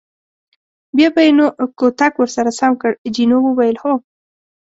بیا به یې نو کوتک ور سم کړ، جینو وویل: هو.